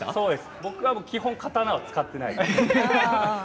僕は基本刀を使っていない。